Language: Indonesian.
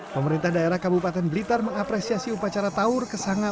pemerintah daerah kabupaten blitar mengapresiasi upacara tawur kesanga